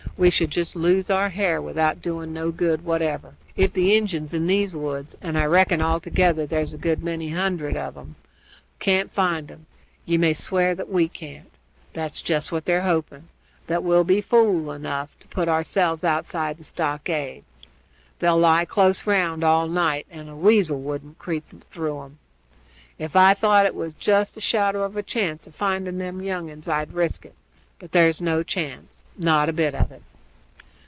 "We should just lose our har without doing no good whatever. If the Injuns in these woods and I reckon altogether there's a good many hundred of 'em can't find 'em, ye may swear that we can't. That's just what they're hoping, that we'll be fools enough to put ourselves outside the stockade. They'll lie close round all night, and a weasel wouldn't creep through 'em. Ef I thought there was jest a shadow of chance of finding them young uns I'd risk it; but there's no chance not a bit of it."